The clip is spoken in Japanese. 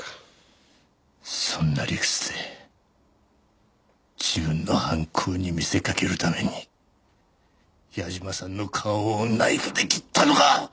そんな理屈で自分の犯行に見せかけるために矢島さんの顔をナイフで切ったのか！？